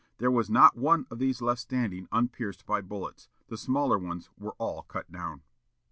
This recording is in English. There was not one of these left standing unpierced by bullets. The smaller ones were all cut down."